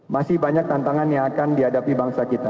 masih banyak tantangan yang akan dihadapi bangsa kita